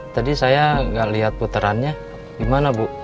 tadi saya nggak lihat putarannya gimana bu